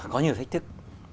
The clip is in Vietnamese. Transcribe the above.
có nhiều thách thức